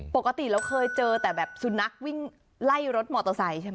ปกติเราเคยเจอแต่แบบซุนักไล่รถมอเตอร์ไซล์ใช่มั้ย